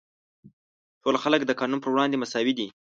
ټول خلک د قانون پر وړاندې مساوي دي.